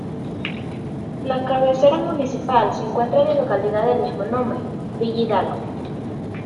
La cabecera municipal se encuentra en la localidad de mismo nombre, Villa Hidalgo.